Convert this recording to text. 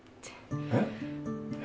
えっ。